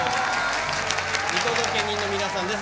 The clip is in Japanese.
見届け人の皆さんです